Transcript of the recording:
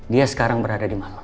dia sekarang berada di malang